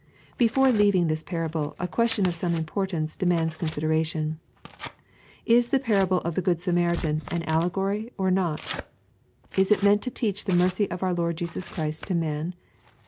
Before leaving this parable, a question of some importance demands consideration :—^' Is the parable of the good Samaritan an allegory or not ? Is it meant to teach the mercy of our Lord Jesus Chnst to man